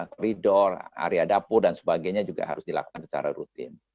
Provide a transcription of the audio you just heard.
koridor area dapur dan sebagainya juga harus dilakukan secara rutin